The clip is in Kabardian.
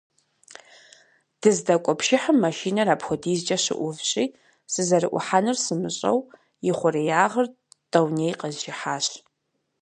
Дыздэкӏуэ пшыхьым машинэр апхуэдизкӏэ щыӏувщи, сызэрыӏухьэнур сымыщӏэу, и хъуреягъыр тӏэуней къэзжыхьащ.